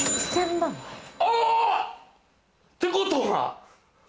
あ！ってことは。